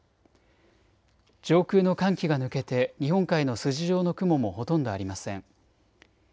上空の寒気が抜けて日本海の筋状の雲もほとんどありません。